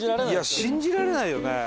いや信じられないよね。